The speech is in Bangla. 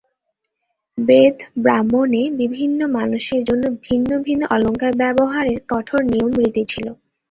বেদব্রাহ্মণে বিভিন্ন মানুষের জন্য ভিন্ন ভিন্ন অলঙ্কার ব্যবহারের কঠোর নিয়মরীতি ছিল।